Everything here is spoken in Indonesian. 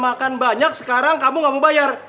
makan banyak sekarang kamu gak mau bayar